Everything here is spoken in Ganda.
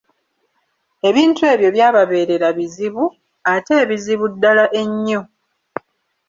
Ebintu ebyo byababeerera bizibu, ate ebizibu ddala ennyo.